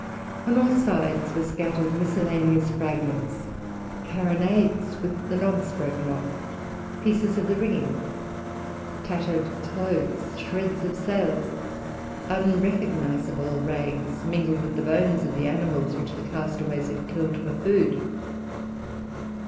On all sides were scattered miscellaneous fragments, carronades with the knobs broken off, pieces of the rigging, tattered clothes, shreds of sails, unrecognizable rags, mingled with the bones of the animals which the castaways had killed for food.